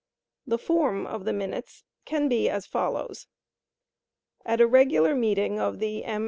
The Form of the Minutes can be as follows: "At a regular meeting of the M.